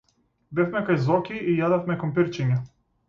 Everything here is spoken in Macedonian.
Бевме кај Зоки и јадевме компирчиња.